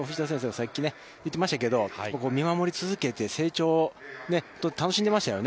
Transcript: さっき言ってましたけど、見守り続けて、成長を本当に楽しんでいましたよね。